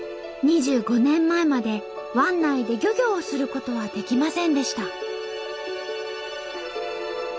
２５年前まで湾内で漁業をすることはできませんでした。